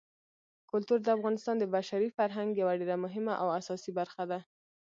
کلتور د افغانستان د بشري فرهنګ یوه ډېره مهمه او اساسي برخه ده.